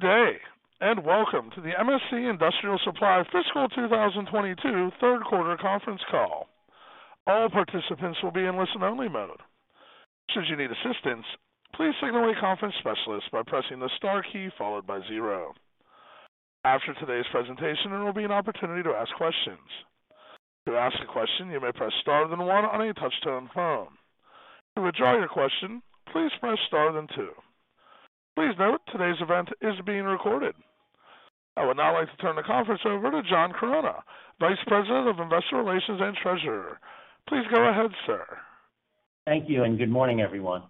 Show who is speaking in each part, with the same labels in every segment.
Speaker 1: Good day, and welcome to the MSC Industrial Supply fiscal year 2022 third quarter conference call. All participants will be in listen-only mode. Should you need assistance, please signal a conference specialist by pressing the star key followed by zero. After today's presentation, there will be an opportunity to ask questions. To ask a question, you may press star then one on your touch-tone phone. To withdraw your question, please press star then two. Please note today's event is being recorded. I would now like to turn the conference over to John Chironna, Vice President of Investor Relations and Treasurer. Please go ahead, sir.
Speaker 2: Thank you, and good morning, everyone.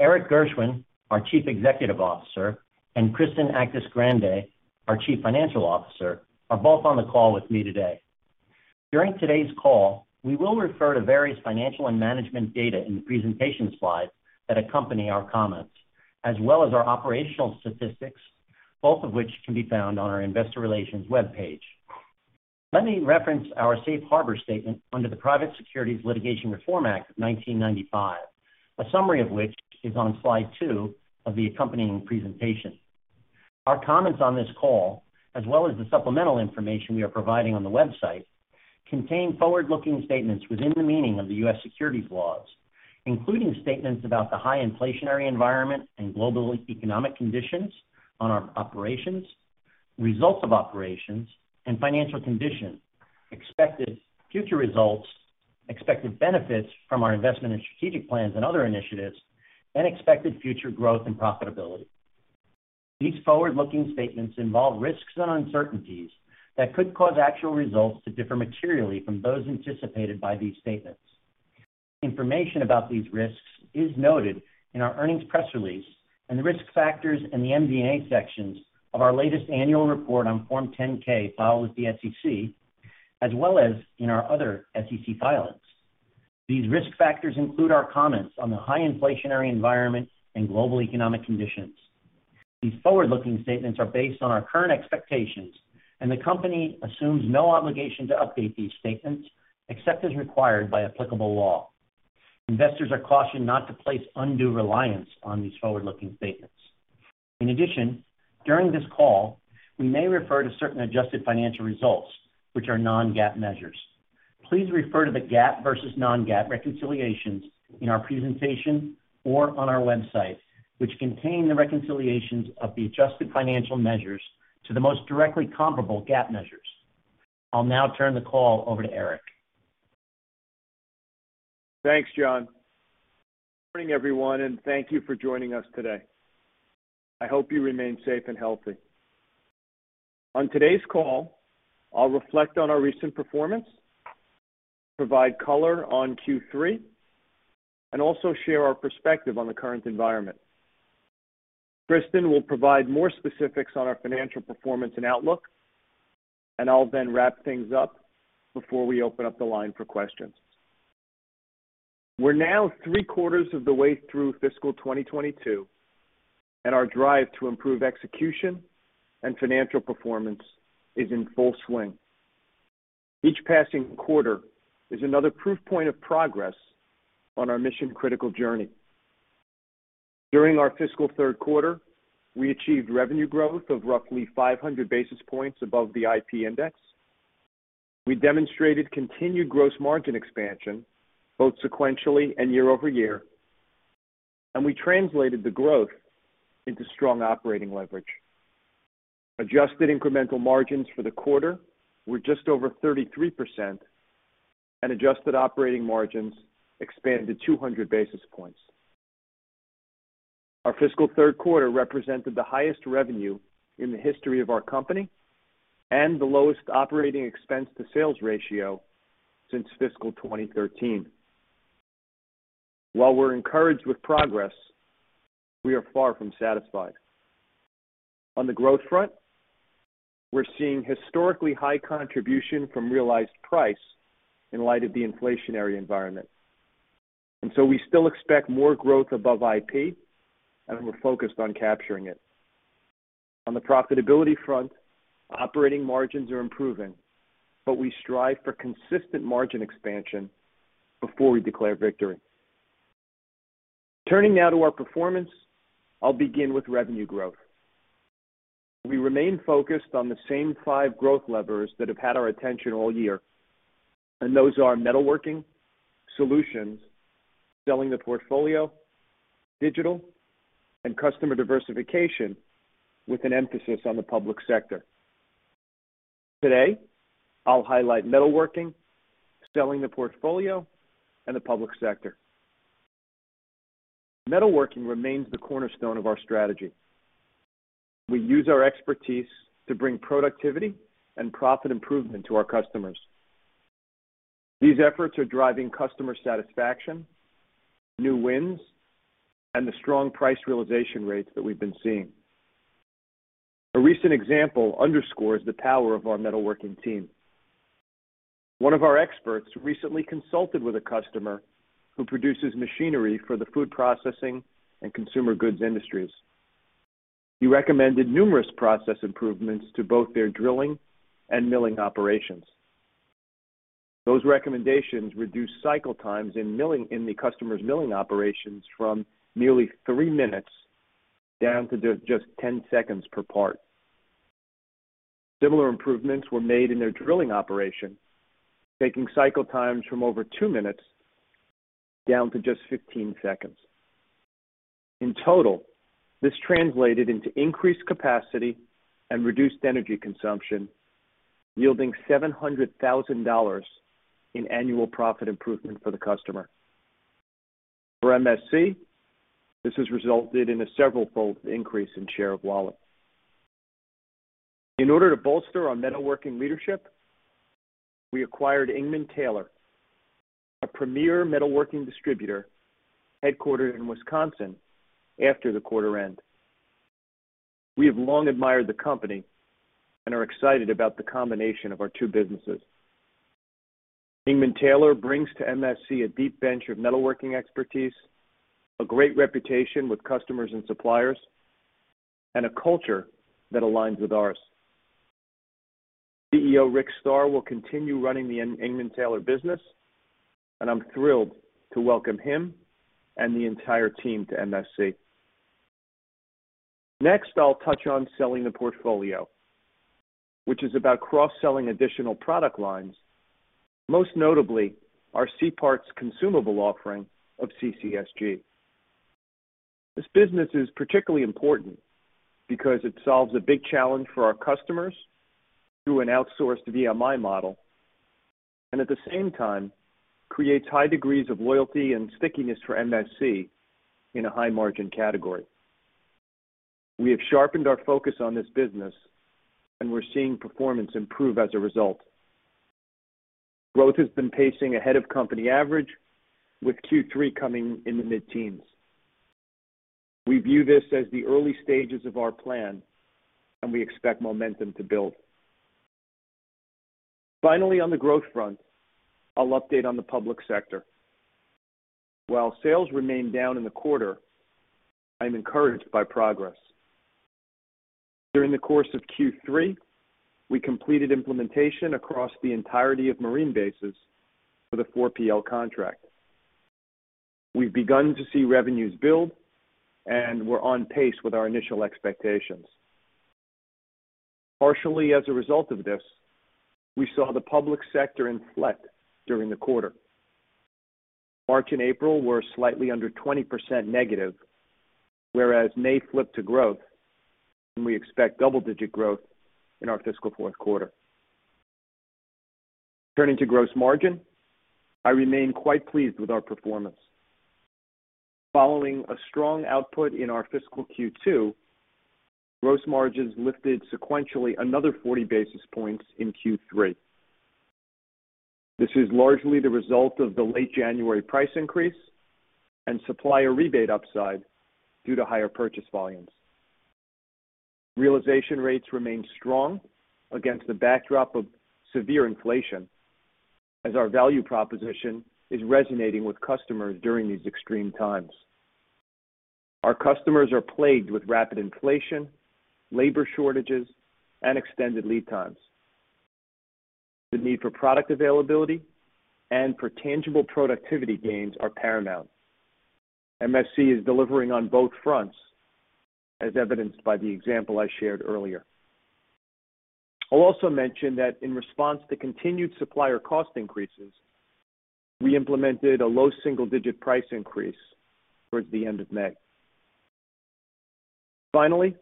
Speaker 2: Erik Gershwind, our Chief Executive Officer, and Kristen Actis-Grande, our Chief Financial Officer, are both on the call with me today. During today's call, we will refer to various financial and management data in the presentation slides that accompany our comments, as well as our operational statistics, both of which can be found on our investor relations webpage. Let me reference our safe harbor statement under the Private Securities Litigation Reform Act of 1995, a summary of which is on slide two of the accompanying presentation. Our comments on this call, as well as the supplemental information we are providing on the website, contain forward-looking statements within the meaning of the U.S. Securities Laws, including statements about the high inflationary environment and global economic conditions on our operations, results of operations and financial conditions, expected future results, expected benefits from our investment in strategic plans and other initiatives, and expected future growth and profitability. These forward-looking statements involve risks and uncertainties that could cause actual results to differ materially from those anticipated by these statements. Information about these risks is noted in our earnings press release and the Risk factors and the MD&A sections of our latest annual report on Form 10-K filed with the SEC, as well as in our other SEC filings. These risk factors include our comments on the high inflationary environment and global economic conditions. These forward-looking statements are based on our current expectations, and the company assumes no obligation to update these statements except as required by applicable law. Investors are cautioned not to place undue reliance on these forward-looking statements. In addition, during this call, we may refer to certain adjusted financial results, which are non-GAAP measures. Please refer to the GAAP versus non-GAAP reconciliations in our presentation or on our website, which contain the reconciliations of the adjusted financial measures to the most directly comparable GAAP measures. I'll now turn the call over to Erik.
Speaker 3: Thanks, John. Morning, everyone, and thank you for joining us today. I hope you remain safe and healthy. On today's call, I'll reflect on our recent performance, provide color on Q3, and also share our perspective on the current environment. Kristen will provide more specifics on our financial performance and outlook, and I'll then wrap things up before we open up the line for questions. We're now three-quarters of the way through fiscal year 2022, and our drive to improve execution and financial performance is in full swing. Each passing quarter is another proof point of progress on our Mission Critical journey. During our fiscal third quarter, we achieved revenue growth of roughly 500 basis points above the IP index. We demonstrated continued gross margin expansion both sequentially and year-over-year, and we translated the growth into strong operating leverage. Adjusted incremental margins for the quarter were just over 33%, and adjusted operating margins expanded 200 basis points. Our fiscal third quarter represented the highest revenue in the history of our company and the lowest operating expense to sales ratio since fiscal year 2013. While we're encouraged with progress, we are far from satisfied. On the growth front, we're seeing historically high contribution from realized price in light of the inflationary environment. We still expect more growth above IP, and we're focused on capturing it. On the profitability front, operating margins are improving, but we strive for consistent margin expansion before we declare victory. Turning now to our performance, I'll begin with revenue growth. We remain focused on the same five growth levers that have had our attention all year, and those are metalworking, solutions, selling the portfolio, digital, and customer diversification with an emphasis on the public sector. Today, I'll highlight metalworking, selling the portfolio, and the public sector. Metalworking remains the cornerstone of our strategy. We use our expertise to bring productivity and profit improvement to our customers. These efforts are driving customer satisfaction, new wins, and the strong price realization rates that we've been seeing. A recent example underscores the power of our metalworking team. One of our experts recently consulted with a customer who produces machinery for the food processing and consumer goods industries. He recommended numerous process improvements to both their drilling and milling operations. Those recommendations reduce cycle times in milling, in the customer's milling operations from nearly three minutes down to just 10 seconds per part. Similar improvements were made in their drilling operation, taking cycle times from over two minutes down to just 15 seconds. In total, this translated into increased capacity and reduced energy consumption, yielding $700,000 in annual profit improvement for the customer. For MSC, this has resulted in a severalfold increase in share of wallet. In order to bolster our metalworking leadership, we acquired Engman-Taylor, a premier metalworking distributor headquartered in Wisconsin, after the quarter end. We have long admired the company and are excited about the combination of our two businesses. Engman-Taylor brings to MSC a deep bench of metalworking expertise, a great reputation with customers and suppliers, and a culture that aligns with ours. CEO Rick Star will continue running the Engman-Taylor business, and I'm thrilled to welcome him and the entire team to MSC. Next, I'll touch on selling the portfolio, which is about cross-selling additional product lines, most notably our cParts consumable offering of CCSG. This business is particularly important because it solves a big challenge for our customers through an outsourced VMI model and at the same time creates high degrees of loyalty and stickiness for MSC in a high-margin category. We have sharpened our focus on this business, and we're seeing performance improve as a result. Growth has been pacing ahead of company average with Q3 coming in the mid-teens. We view this as the early stages of our plan, and we expect momentum to build. Finally, on the growth front, I'll update on the public sector. While sales remained down in the quarter, I'm encouraged by progress. During the course of Q3, we completed implementation across the entirety of Marine Bases for the 4PL contract. We've begun to see revenues build, and we're on pace with our initial expectations. Partially as a result of this, we saw the public sector inflect during the quarter. March and April were slightly under 20%-, whereas May flipped to growth, and we expect double-digit growth in our fiscal fourth quarter. Turning to gross margin, I remain quite pleased with our performance. Following a strong output in our fiscal Q2, gross margins lifted sequentially another 40 basis points in Q3. This is largely the result of the late January price increase and supplier rebate upside due to higher purchase volumes. Realization rates remain strong against the backdrop of severe inflation as our value proposition is resonating with customers during these extreme times. Our customers are plagued with rapid inflation, labor shortages, and extended lead times. The need for product availability and for tangible productivity gains are paramount. MSC is delivering on both fronts, as evidenced by the example I shared earlier. I'll also mention that in response to continued supplier cost increases, we implemented a low single-digit price increase towards the end of May. Finally,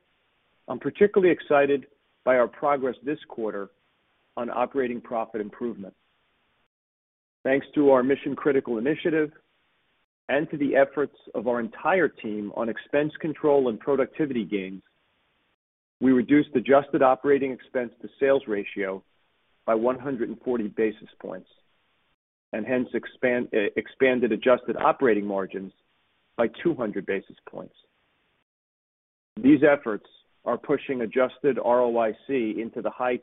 Speaker 3: I'm particularly excited by our progress this quarter on operating profit improvement. Thanks to our Mission Critical initiative and to the efforts of our entire team on expense control and productivity gains, we reduced adjusted operating expense to sales ratio by 140 basis points and hence expanded adjusted operating margins by 200 basis points. These efforts are pushing adjusted ROIC into the high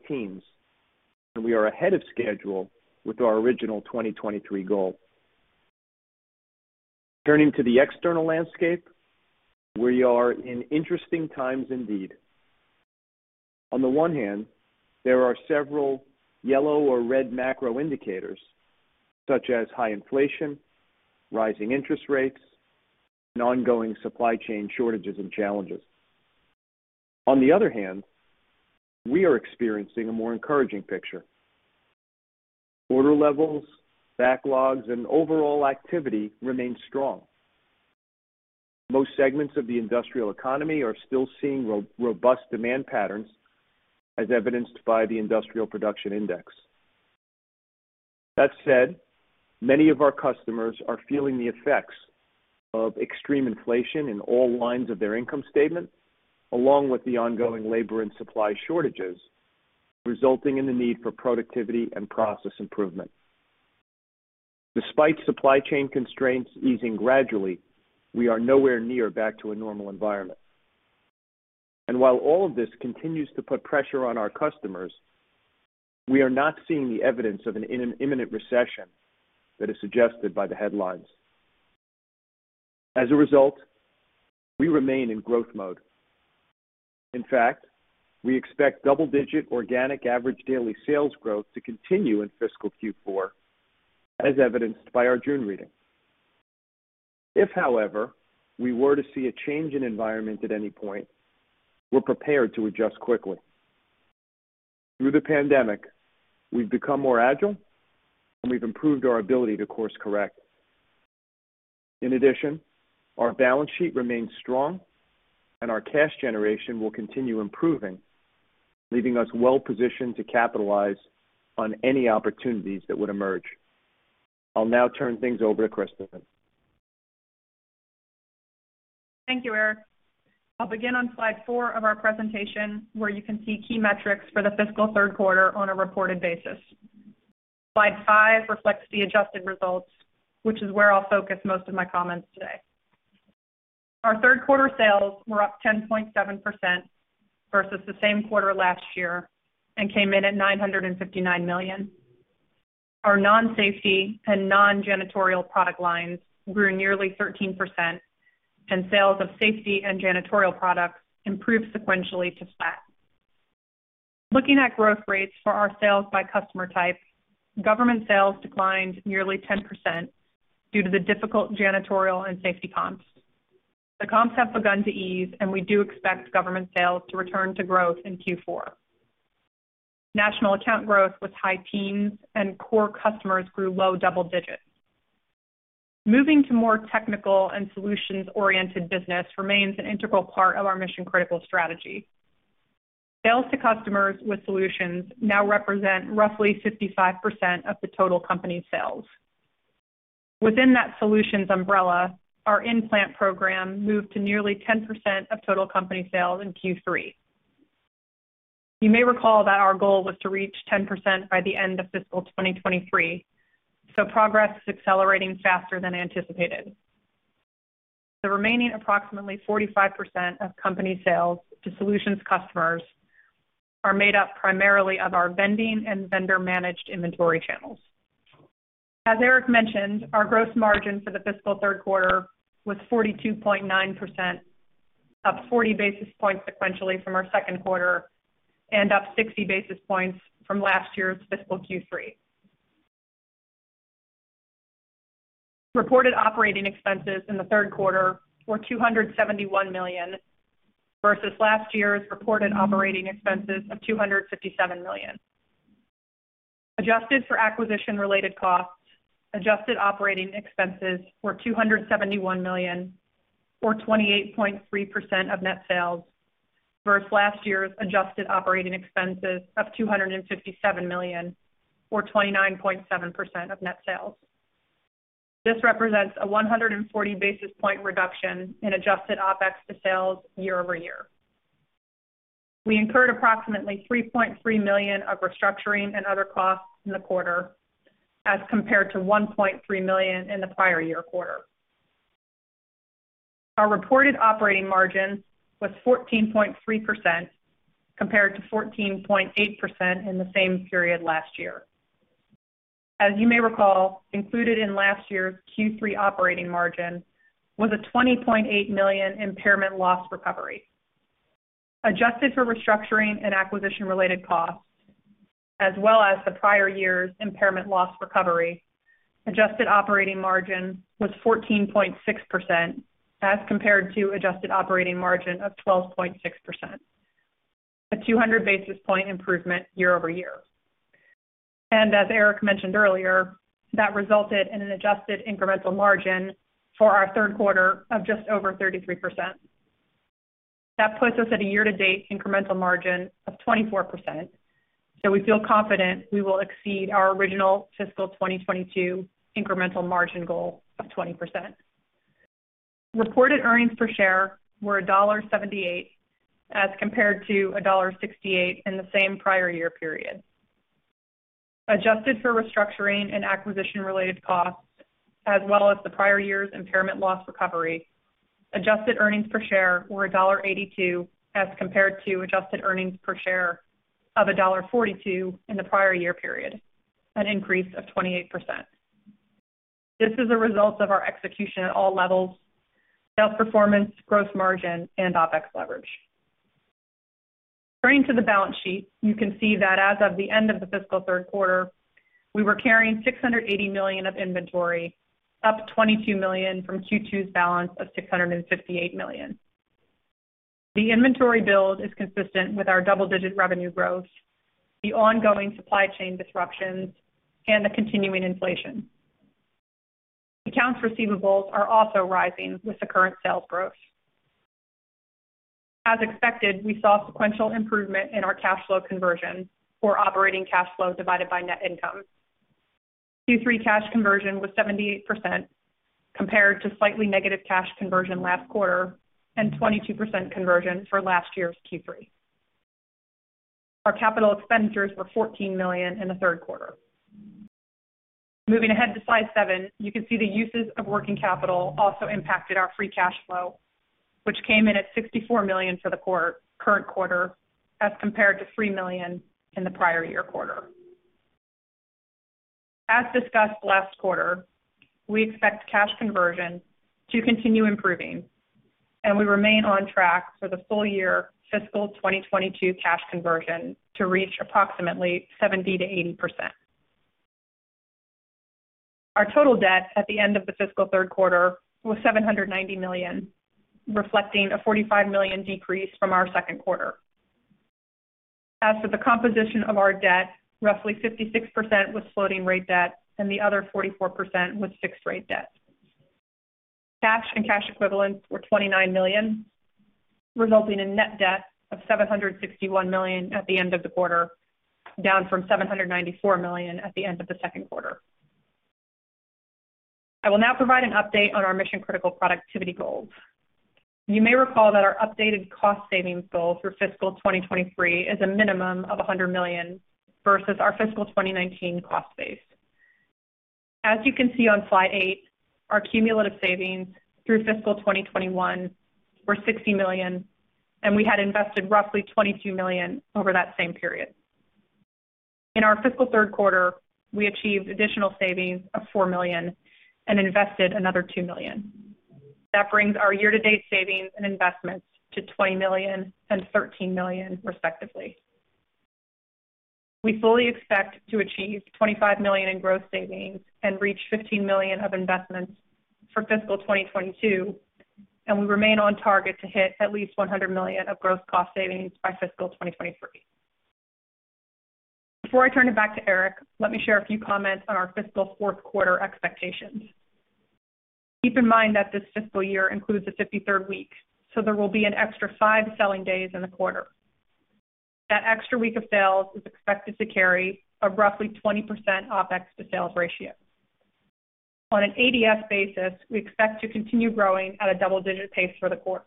Speaker 3: teens, and we are ahead of schedule with our original 2023 goal. Turning to the external landscape, we are in interesting times indeed. On the one hand, there are several yellow or red macro indicators, such as high inflation, rising interest rates, and ongoing supply chain shortages and challenges. On the other hand, we are experiencing a more encouraging picture. Order levels, backlogs, and overall activity remain strong. Most segments of the industrial economy are still seeing robust demand patterns as evidenced by the Industrial Production index. That said, many of our customers are feeling the effects of extreme inflation in all lines of their income statement, along with the ongoing labor and supply shortages resulting in the need for productivity and process improvement. Despite supply chain constraints easing gradually, we are nowhere near back to a normal environment. While all of this continues to put pressure on our customers, we are not seeing the evidence of an imminent recession that is suggested by the headlines. As a result, we remain in growth mode. In fact, we expect double-digit organic average daily sales growth to continue in fiscal Q4, as evidenced by our June reading. If, however, we were to see a change in environment at any point, we're prepared to adjust quickly. Through the pandemic, we've become more agile, and we've improved our ability to course-correct. In addition, our balance sheet remains strong and our cash generation will continue improving, leaving us well-positioned to capitalize on any opportunities that would emerge. I'll now turn things over to Kristen.
Speaker 4: Thank you, Erik. I'll begin on slide four of our presentation, where you can see key metrics for the fiscal third quarter on a reported basis. Slide five reflects the adjusted results, which is where I'll focus most of my comments today. Our third quarter sales were up 10.7% versus the same quarter last year and came in at $959 million. Our non-safety and non-janitorial product lines grew nearly 13%, and sales of safety and janitorial products improved sequentially to flat. Looking at growth rates for our sales by customer type, government sales declined nearly 10% due to the difficult janitorial and safety comps. The comps have begun to ease, and we do expect government sales to return to growth in Q4. National account growth was high teens and core customers grew low double digits. Moving to more technical and solutions-oriented business remains an integral part of our Mission Critical strategy. Sales to customers with solutions now represent roughly 55% of the total company sales. Within that solutions umbrella, our in-plant program moved to nearly 10% of total company sales in Q3. You may recall that our goal was to reach 10% by the end of fiscal year 2023, so progress is accelerating faster than anticipated. The remaining approximately 45% of company sales to solutions customers are made up primarily of our vending and vendor-managed inventory channels. As Eric mentioned, our gross margin for the fiscal third quarter was 42.9%, up 40 basis points sequentially from our second quarter and up 60 basis points from last year's fiscal Q3. Reported operating expenses in the third quarter were $271 million versus last year's reported operating expenses of $257 million. Adjusted for acquisition-related costs, adjusted operating expenses were $271 million or 28.3% of net sales versus last year's adjusted operating expenses of $257 million or 29.7% of net sales. This represents a 140 basis point reduction in adjusted OpEx to sales year-over-year. We incurred approximately $3.3 million of restructuring and other costs in the quarter as compared to $1.3 million in the prior year quarter. Our reported operating margin was 14.3% compared to 14.8% in the same period last year. As you may recall, included in last year's Q3 operating margin was a $20.8 million impairment loss recovery. Adjusted for restructuring and acquisition-related costs, as well as the prior year's impairment loss recovery, adjusted operating margin was 14.6% as compared to adjusted operating margin of 12.6%. A 200 basis point improvement year-over-year. As Erik mentioned earlier, that resulted in an adjusted incremental margin for our third quarter of just over 33%. That puts us at a year-to-date incremental margin of 24%. We feel confident we will exceed our original fiscal year 2022 incremental margin goal of 20%. Reported earnings per share were $1.78 as compared to $1.68 in the same prior year period. Adjusted for restructuring and acquisition-related costs, as well as the prior year's impairment loss recovery, adjusted earnings per share were $1.82 as compared to adjusted earnings per share of $1.42 in the prior year period, an increase of 28%. This is a result of our execution at all levels, sales performance, gross margin, and OpEx leverage. Turning to the balance sheet, you can see that as of the end of the fiscal third quarter, we were carrying $680 million of inventory, up $22 million from Q2's balance of $658 million. The inventory build is consistent with our double-digit revenue growth, the ongoing supply chain disruptions, and the continuing inflation. Accounts receivables are also rising with the current sales growth. As expected, we saw sequential improvement in our cash flow conversion for operating cash flow divided by net income. Q3 cash conversion was 78% compared to slightly negative cash conversion last quarter and 22% conversion for last year's Q3. Our capital expenditures were $14 million in the third quarter. Moving ahead to slide seven, you can see the uses of working capital also impacted our free cash flow, which came in at $64 million for the current quarter as compared to $3 million in the prior year quarter. As discussed last quarter, we expect cash conversion to continue improving, and we remain on track for the full year fiscal year 2022 cash conversion to reach approximately 70%-80%. Our total debt at the end of the fiscal third quarter was $790 million, reflecting a $45 million decrease from our second quarter. As for the composition of our debt, roughly 56% was floating rate debt, and the other 44% was fixed rate debt. Cash and cash equivalents were $29 million, resulting in net debt of $761 million at the end of the quarter, down from $794 million at the end of the second quarter. I will now provide an update on our Mission Critical productivity goals. You may recall that our updated cost savings goal for fiscal year 2023 is a minimum of $100 million versus our fiscal year 2019 cost base. As you can see on slide eight, our cumulative savings through fiscal 2021 were $60 million, and we had invested roughly $22 million over that same period. In our fiscal third quarter, we achieved additional savings of $4 million and invested another $2 million. That brings our year-to-date savings and investments to $20 million and $13 million, respectively. We fully expect to achieve $25 million in gross savings and reach $15 million of investments for fiscal 2022, and we remain on target to hit at least $100 million of gross cost savings by fiscal 2023. Before I turn it back to Erik, let me share a few comments on our fiscal fourth quarter expectations. Keep in mind that this fiscal year includes a 53rd week, so there will be an extra five selling days in the quarter. That extra week of sales is expected to carry a roughly 20% OpEx to sales ratio. On an ADS basis, we expect to continue growing at a double-digit pace for the quarter.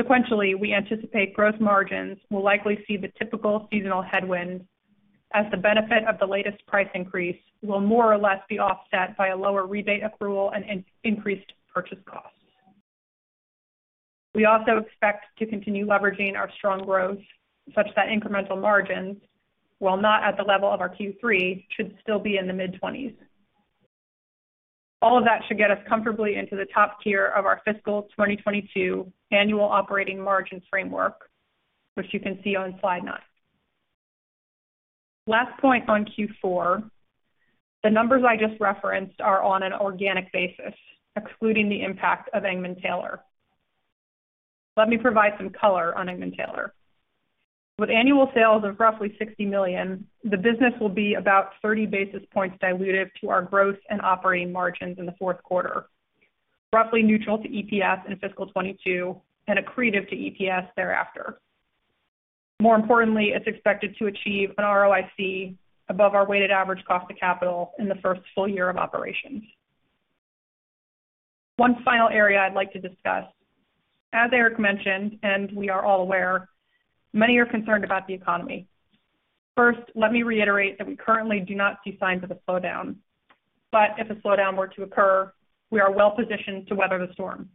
Speaker 4: Sequentially, we anticipate gross margins will likely see the typical seasonal headwind as the benefit of the latest price increase will more or less be offset by a lower rebate accrual and increased purchase costs. We also expect to continue leveraging our strong growth such that incremental margins, while not at the level of our Q3, should still be in the mid-20s%. All of that should get us comfortably into the top tier of our fiscal year 2022 annual operating margins framework, which you can see on slide nine. Last point on Q4, the numbers I just referenced are on an organic basis, excluding the impact of Engman-Taylor. Let me provide some color on Engman-Taylor. With annual sales of roughly $60 million, the business will be about 30 basis points diluted to our gross and operating margins in the fourth quarter, roughly neutral to EPS in fiscal year 2022 and accretive to EPS thereafter. More importantly, it's expected to achieve an ROIC above our weighted average cost of capital in the first full year of operations. One final area I'd like to discuss. As Erik mentioned, and we are all aware, many are concerned about the economy. First, let me reiterate that we currently do not see signs of a slowdown, but if a slowdown were to occur, we are well positioned to weather the storm.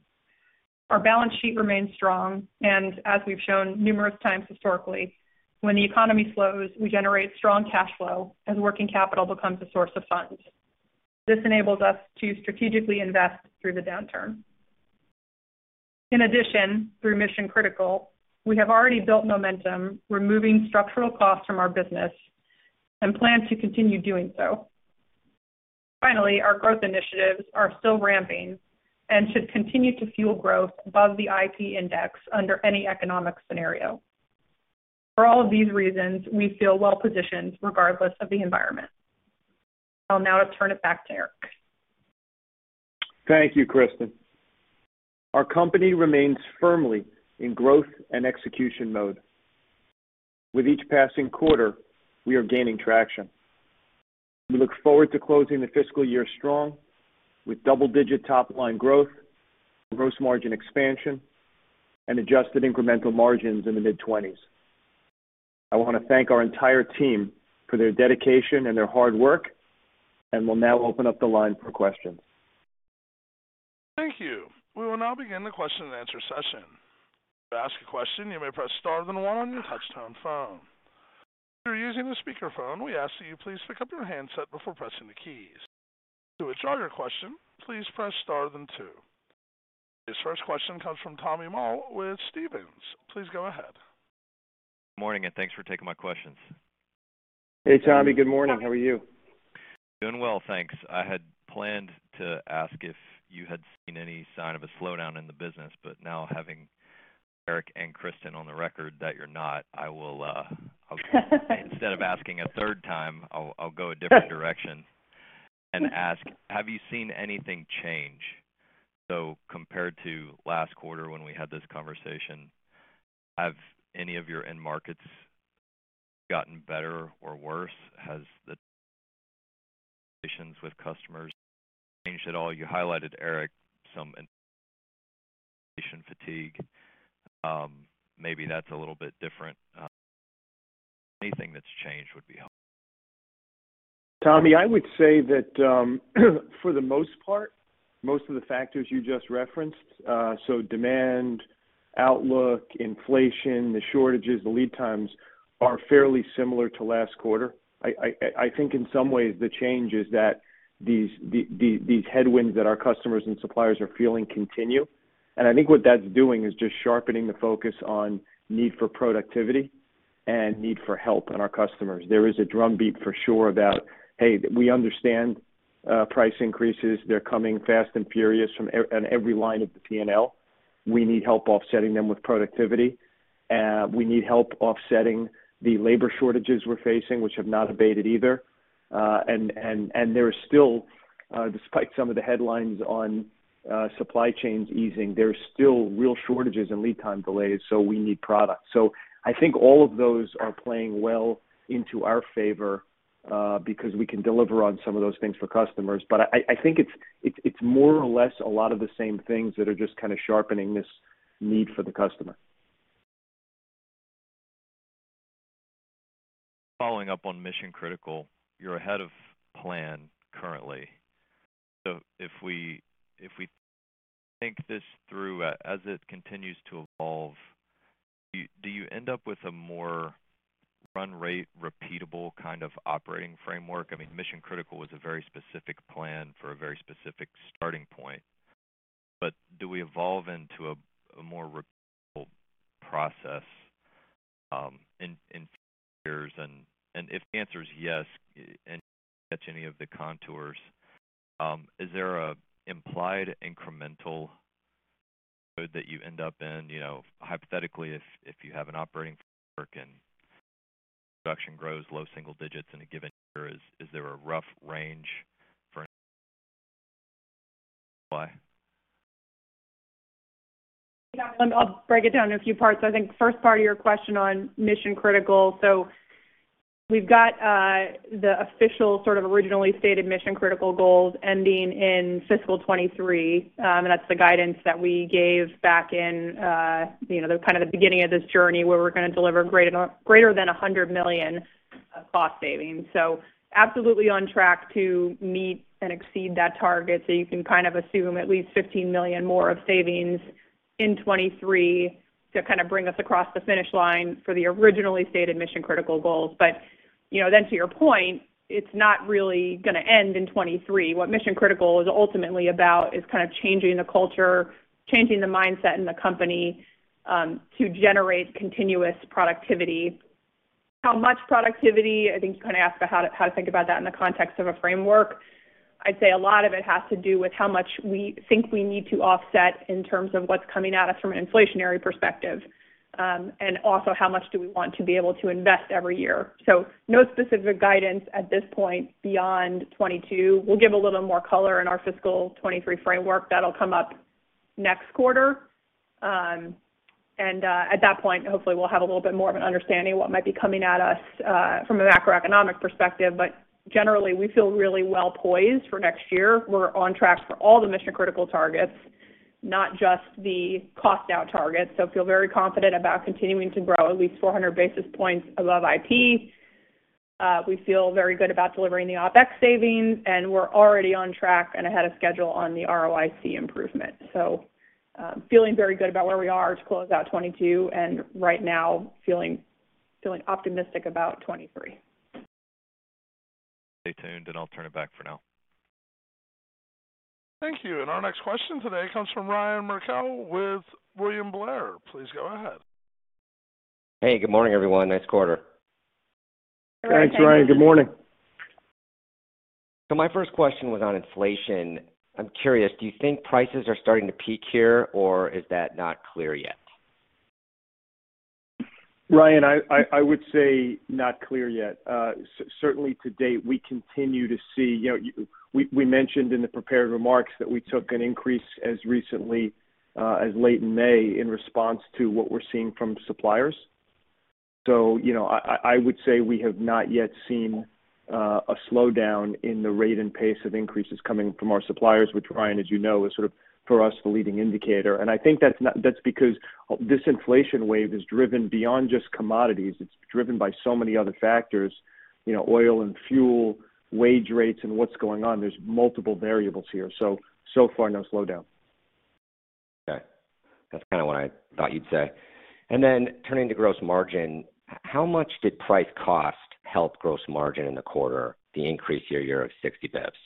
Speaker 4: Our balance sheet remains strong, and as we've shown numerous times historically, when the economy slows, we generate strong cash flow, and working capital becomes a source of funds. This enables us to strategically invest through the downturn. In addition, through Mission Critical, we have already built momentum, removing structural costs from our business and plan to continue doing so. Finally, our growth initiatives are still ramping and should continue to fuel growth above the IP index under any economic scenario. For all of these reasons, we feel well positioned regardless of the environment. I'll now turn it back to Erik.
Speaker 3: Thank you, Kristen. Our company remains firmly in growth and execution mode. With each passing quarter, we are gaining traction. We look forward to closing the fiscal year strong with double-digit top-line growth, gross margin expansion, and adjusted incremental margins in the mid-20s%. I want to thank our entire team for their dedication and their hard work, and we'll now open up the line for questions.
Speaker 1: Thank you. We will now begin the Q&A session. To ask a question, you may press star then one on your touchtone phone. If you're using the speakerphone, we ask that you please pick up your handset before pressing the keys. To withdraw your question, please press star then two. This first question comes from Tommy Moll with Stephens. Please go ahead.
Speaker 5: Morning, and thanks for taking my questions.
Speaker 3: Hey, Tommy. Good morning. How are you?
Speaker 5: Doing well, thanks. I had planned to ask if you had seen any sign of a slowdown in the business, but now having Erik and Kristen on the record that you're not, I will, I'll instead of asking a third time, I'll go a different direction and ask, have you seen anything change? Compared to last quarter when we had this conversation, have any of your end markets gotten better or worse? Has the conversations with customers changed at all? You highlighted, Erik, some information fatigue. Maybe that's a little bit different. Anything that's changed would be helpful.
Speaker 3: Tommy, I would say that for the most part. Most of the factors you just referenced. So demand, outlook, inflation, the shortages, the lead times are fairly similar to last quarter. I think in some ways the change is that these headwinds that our customers and suppliers are feeling continue. I think what that's doing is just sharpening the focus on need for productivity and need for help in our customers. There is a drumbeat for sure about, hey, we understand price increases. They're coming fast and furious from on every line of the P&L. We need help offsetting them with productivity. We need help offsetting the labor shortages we're facing, which have not abated either. There are still, despite some of the headlines on supply chains easing, there are still real shortages and lead time delays, so we need product. I think all of those are playing well into our favor, because we can deliver on some of those things for customers. I think it's more or less a lot of the same things that are just kind of sharpening this need for the customer.
Speaker 5: Following up on Mission Critical, you're ahead of plan currently. If we think this through, as it continues to evolve, do you end up with a more run rate, repeatable kind of operating framework? I mean, Mission Critical was a very specific plan for a very specific starting point. Do we evolve into a more repeatable process in future? If the answer is yes, and you can sketch any of the contours, is there an implied incremental code that you end up in? You know, hypothetically, if you have an operating framework and production grows low single digits in a given year, is there a rough range for an increase in ROI?
Speaker 4: Yeah. I'll break it down in a few parts. I think first part of your question on Mission Critical. We've got the official sort of originally stated Mission Critical goals ending in fiscal year 2023. That's the guidance that we gave back in you know the kind of the beginning of this journey where we're gonna deliver greater than $100 million of cost savings. Absolutely on track to meet and exceed that target. You can kind of assume at least $15 million more of savings in 2023 to kind of bring us across the finish line for the originally stated Mission Critical goals. You know then to your point, it's not really gonna end in 2023. What Mission Critical is ultimately about is kind of changing the culture, changing the mindset in the company to generate continuous productivity. I think you kind of ask how to think about that in the context of a framework. I'd say a lot of it has to do with how much we think we need to offset in terms of what's coming at us from an inflationary perspective, and also how much do we want to be able to invest every year. No specific guidance at this point beyond 2022. We'll give a little more color in our fiscal year 2023 framework. That'll come up next quarter. At that point, hopefully we'll have a little bit more of an understanding of what might be coming at us from a macroeconomic perspective. Generally, we feel really well poised for next year. We're on track for all the Mission Critical targets, not just the cost out targets. Feel very confident about continuing to grow at least 400 basis points above IP. We feel very good about delivering the OpEx savings, and we're already on track and ahead of schedule on the ROIC improvement. Feeling very good about where we are to close out 2022, and right now feeling optimistic about 2023.
Speaker 5: Stay tuned, and I'll turn it back for now.
Speaker 1: Thank you. Our next question today comes from Ryan Merkel with William Blair. Please go ahead.
Speaker 6: Hey, good morning, everyone. Nice quarter.
Speaker 3: Thanks, Ryan. Good morning.
Speaker 6: My first question was on inflation. I'm curious, do you think prices are starting to peak here, or is that not clear yet?
Speaker 3: Ryan, I would say not clear yet. Certainly to date, we continue to see, you know, we mentioned in the prepared remarks that we took an increase as recently as late in May in response to what we're seeing from suppliers. You know, I would say we have not yet seen a slowdown in the rate and pace of increases coming from our suppliers, which Ryan, as you know, is sort of for us the leading indicator. I think that's because this inflation wave is driven beyond just commodities. It's driven by so many other factors, you know, oil and fuel, wage rates, and what's going on. There's multiple variables here. So far, no slowdown.
Speaker 6: Okay. That's kind of what I thought you'd say. Turning to gross margin, how much did price-cost help gross margin in the quarter, the increase year-over-year of 60 basis points?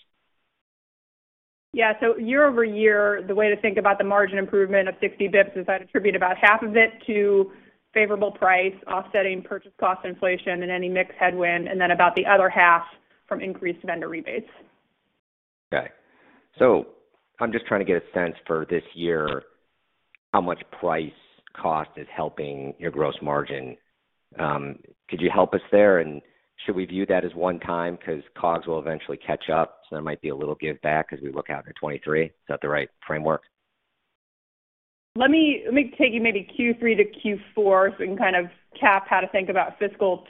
Speaker 4: Yeah. Year-over-year, the way to think about the margin improvement of 60 basis points is I'd attribute about half of it to favorable price offsetting purchase cost inflation and any mix headwind, and then about the other half from increased vendor rebates.
Speaker 6: Okay. I'm just trying to get a sense for this year how much price cost is helping your gross margin. Could you help us there? Should we view that as one time because COGS will eventually catch up, so there might be a little give back as we look out into 2023? Is that the right framework?
Speaker 4: Let me take you maybe Q3 to Q4 so we can kind of cap how to think about fiscal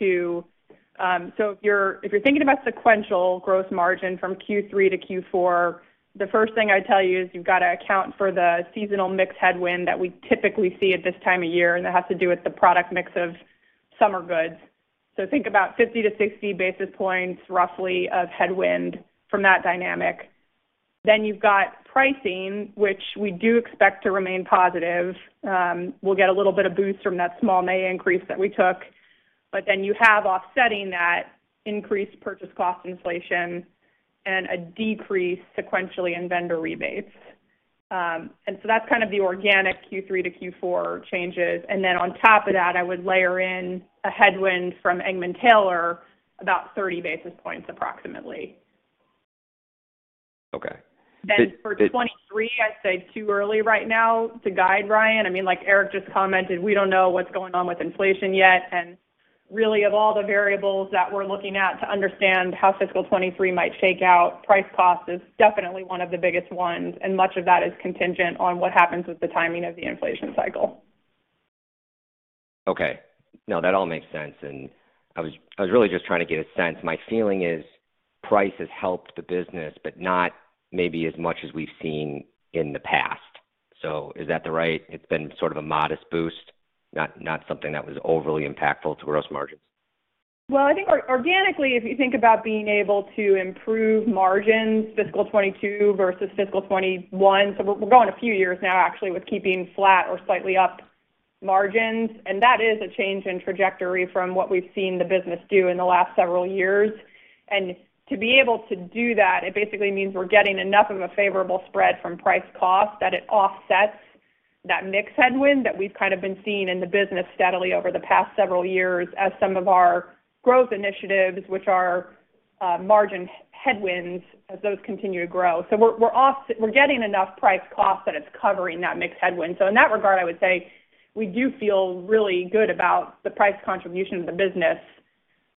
Speaker 4: year 2022. If you're thinking about sequential gross margin from Q3 to Q4, the first thing I'd tell you is you've got to account for the seasonal mix headwind that we typically see at this time of year, and that has to do with the product mix of summer goods. Think about 50 basis points-60 basis points roughly of headwind from that dynamic. Then you've got pricing, which we do expect to remain positive. We'll get a little bit of boost from that small May increase that we took. You have offsetting that increased purchase cost inflation and a decrease sequentially in vendor rebates. That's kind of the organic Q3 to Q4 changes. On top of that, I would layer in a headwind from Engman-Taylor about 30 basis points approximately.
Speaker 6: Okay.
Speaker 4: For 2023, I'd say too early right now to guide, Ryan. I mean, like Erik just commented, we don't know what's going on with inflation yet. Really of all the variables that we're looking at to understand how fiscal year 2023 might shake out, price cost is definitely one of the biggest ones, and much of that is contingent on what happens with the timing of the inflation cycle.
Speaker 6: Okay. No, that all makes sense. I was really just trying to get a sense. My feeling is price has helped the business, but not maybe as much as we've seen in the past. It's been sort of a modest boost, not something that was overly impactful to gross margins?
Speaker 4: Well, I think organically, if you think about being able to improve margins fiscal year 2022 versus fiscal year 2021. We're going a few years now actually with keeping flat or slightly up margins. That is a change in trajectory from what we've seen the business do in the last several years. To be able to do that, it basically means we're getting enough of a favorable spread from price cost that it offsets that mix headwind that we've kind of been seeing in the business steadily over the past several years as some of our growth initiatives, which are margin headwinds as those continue to grow. We're getting enough price cost that it's covering that mix headwind. In that regard, I would say we do feel really good about the price contribution of the business.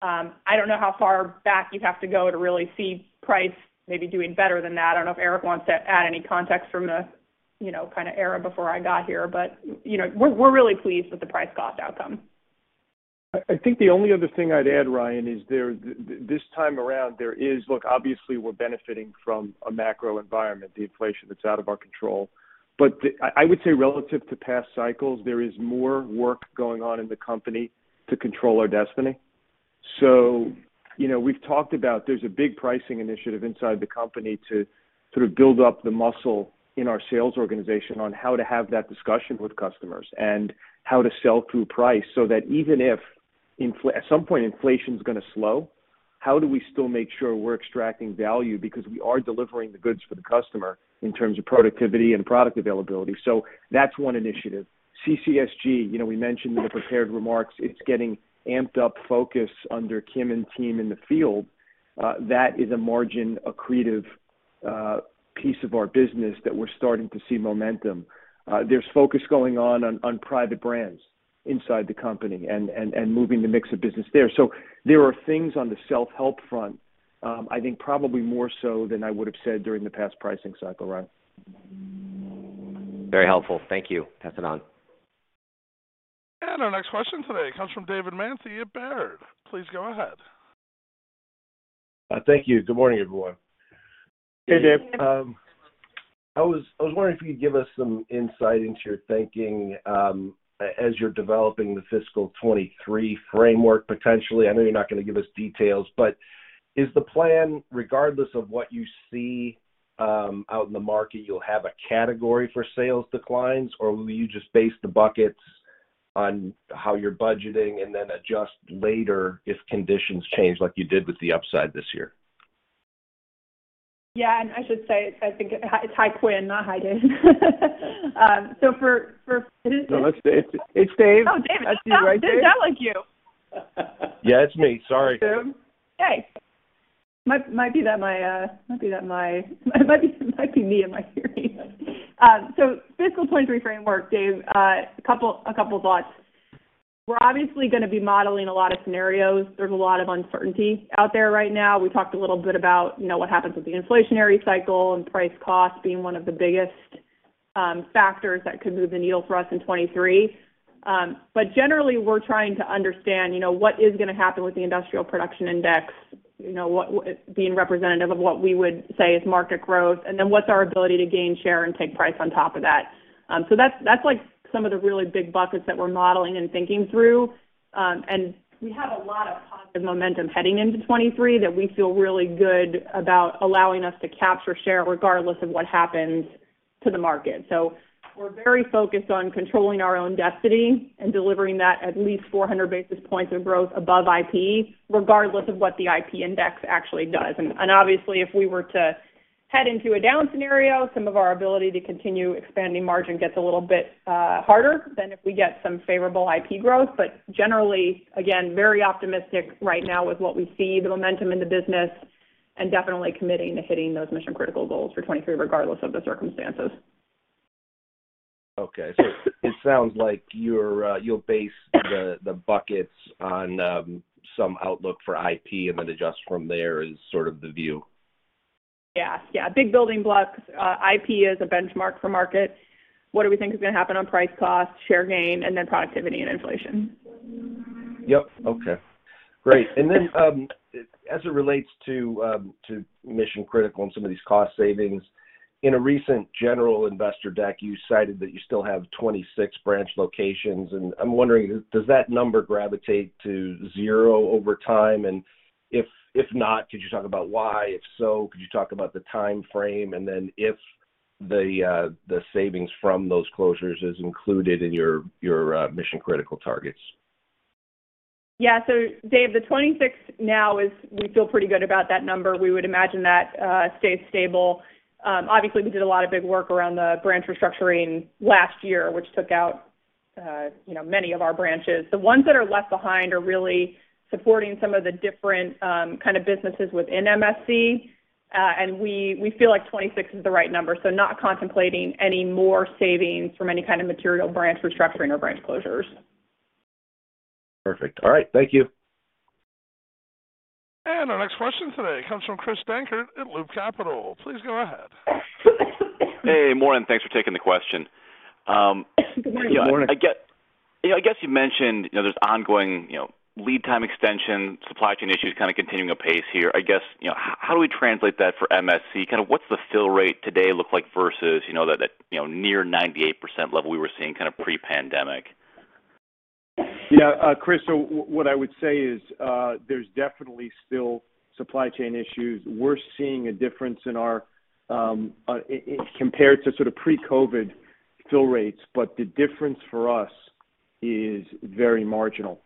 Speaker 4: I don't know how far back you have to go to really see price maybe doing better than that. I don't know if Erik wants to add any context from the, you know, kind of era before I got here. You know, we're really pleased with the price cost outcome.
Speaker 3: I think the only other thing I'd add, Ryan, is this time around there is. Look, obviously we're benefiting from a macro environment, the inflation that's out of our control. I would say relative to past cycles, there is more work going on in the company to control our destiny. You know, we've talked about there's a big pricing initiative inside the company to sort of build up the muscle in our sales organization on how to have that discussion with customers and how to sell through price so that even if at some point inflation is gonna slow, how do we still make sure we're extracting value because we are delivering the goods for the customer in terms of productivity and product availability. That's one initiative. CCSG, you know, we mentioned in the prepared remarks. It's getting amped up focus under Kim and team in the field. That is a margin accretive piece of our business that we're starting to see momentum. There's focus going on private brands inside the company and moving the mix of business there. There are things on the self-help front. I think probably more so than I would have said during the past pricing cycle, Ryan.
Speaker 6: Very helpful. Thank you. Passing on.
Speaker 1: Our next question today comes from David Manthey at Baird. Please go ahead.
Speaker 7: Thank you. Good morning, everyone.
Speaker 3: Hey, David.
Speaker 4: Hey.
Speaker 7: I was wondering if you could give us some insight into your thinking, as you're developing the fiscal year 2023 framework, potentially. I know you're not gonna give us details, but is the plan regardless of what you see out in the market, you'll have a category for sales declines, or will you just base the buckets on how you're budgeting and then adjust later if conditions change like you did with the upside this year?
Speaker 4: I should say, hi, it's Quinn, not Dave.
Speaker 3: No, that's Dave. It's Dave.
Speaker 4: Oh, Dave.
Speaker 7: I see you right there.
Speaker 4: David, sound like you.
Speaker 7: Yeah. It's me. Sorry.
Speaker 4: Hey. Might be me and my hearing aid. Fiscal year 2023 framework, Dave. A couple of thoughts. We're obviously gonna be modeling a lot of scenarios. There's a lot of uncertainty out there right now. We talked a little bit about, you know, what happens with the inflationary cycle and price cost being one of the biggest factors that could move the needle for us in 2023. But generally we're trying to understand, you know, what is gonna happen with the Industrial Production index. You know, being representative of what we would say is market growth, and then what's our ability to gain share and take price on top of that. That's like some of the really big buckets that we're modeling and thinking through. We have a lot of positive momentum heading into 2023 that we feel really good about allowing us to capture share regardless of what happens to the market. We're very focused on controlling our own destiny and delivering that at least 400 basis points of growth above IP, regardless of what the IP index actually does. Obviously, if we were to head into a down scenario, some of our ability to continue expanding margin gets a little bit harder than if we get some favorable IP growth. Generally, again, very optimistic right now with what we see the momentum in the business and definitely committing to hitting those Mission Critical goals for 2023, regardless of the circumstances.
Speaker 7: Okay. It sounds like you'll base the buckets on some outlook for IP and then adjust from there is sort of the view.
Speaker 4: Big building blocks. IP is a benchmark for market. What do we think is gonna happen on price cost, share gain, and then productivity and inflation.
Speaker 7: Yep. Okay. Great. As it relates to Mission Critical and some of these cost savings.
Speaker 3: In a recent general investor deck, you cited that you still have 26 branch locations, and I'm wondering does that number gravitate to zero over time? If not, could you talk about why? If so, could you talk about the timeframe? If the savings from those closures is included in your Mission Critical targets.
Speaker 4: Yeah. Dave, the 26 now is we feel pretty good about that number. We would imagine that stays stable. Obviously, we did a lot of big work around the branch restructuring last year, which took out you know many of our branches. The ones that are left behind are really supporting some of the different kind of businesses within MSC, and we feel like 26 is the right number, so not contemplating any more savings from any kind of material branch restructuring or branch closures.
Speaker 7: Perfect. All right, thank you.
Speaker 1: Our next question today comes from Chris Dankert at Loop Capital. Please go ahead.
Speaker 8: Hey, morning. Thanks for taking the question.
Speaker 3: Good morning.
Speaker 8: You know, I guess you mentioned, you know, there's ongoing, you know, lead time extension, supply chain issues kind of continuing apace here. I guess, you know, how do we translate that for MSC? Kind of what's the fill rate today look like versus, you know, that, you know, near 98% level we were seeing kind of pre-pandemic?
Speaker 3: Chris, what I would say is, there's definitely still supply chain issues. We're seeing a difference in our inventory compared to sort of pre-COVID fill rates, but the difference for us is very marginal.